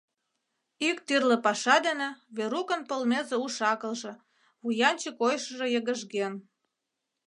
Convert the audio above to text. Ик тӱрлӧ паша дене Верукын полмезе уш-акылже, вуянче койышыжо йыгыжген.